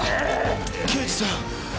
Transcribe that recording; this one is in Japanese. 刑事さん。